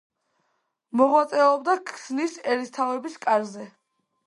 მოღვაწეობდა ქსნის ერისთავების კარზე.